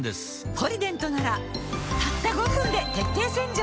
「ポリデント」ならたった５分で徹底洗浄